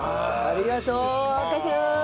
ありがとう！